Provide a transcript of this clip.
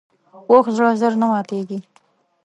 پوخ زړه ژر نه ماتیږي